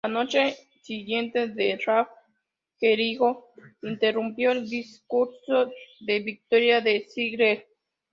La noche siguiente en "Raw", Jericho interrumpió el discurso de victoria de Ziggler.